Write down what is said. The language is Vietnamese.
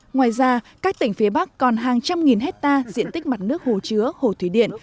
ngoài ra các tỉnh phía bắc còn hàng trăm nghìn hectare diện tích mặt nước hồ chứa hồ thủy điện